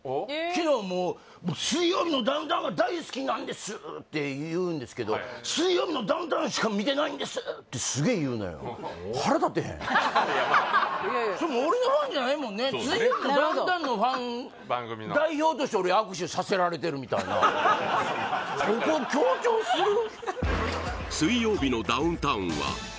昨日もう「水曜日のダウンタウン」が大好きなんですって言うんですけど「水曜日のダウンタウン」しか見てないんですってすげえ言うのよそれもう俺のファンじゃないもんね「水曜日のダウンタウン」のファン代表として俺握手させられてるみたいなそこ強調する？